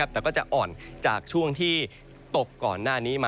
แต่ก็จะอ่อนจากช่วงที่ตกก่อนหน้านี้มา